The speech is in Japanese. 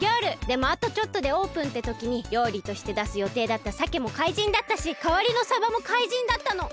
でもあとちょっとでオープンってときにりょうりとしてだすよていだったさけもかいじんだったしかわりのさばもかいじんだったの。